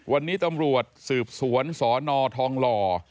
วันนี้ตำรวจสืบสวนสนทองหล่อ